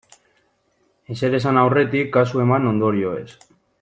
Ezer esan aurretik, kasu eman ondorioez.